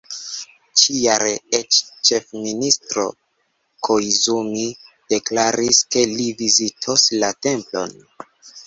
Ĉi-jare eĉ ĉefministro Koizumi deklaris, ke li vizitos la templon.